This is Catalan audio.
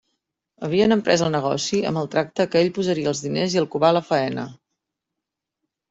Havien emprès el negoci amb el tracte que ell posaria els diners i el Cubà la faena.